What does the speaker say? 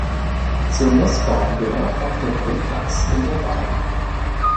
Zu Nußbaum gehört auch der Wohnplatz „In der Bein“.